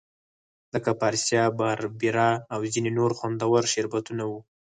لکه فریسا، باربیرا او ځیني نور خوندور شربتونه وو.